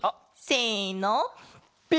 せの！